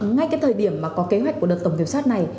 ngay cái thời điểm mà có kế hoạch của đợt tổng kiểm soát này